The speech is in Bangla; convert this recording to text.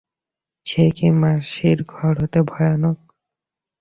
সে কি মাসির ঘর হতে ভয়ানক।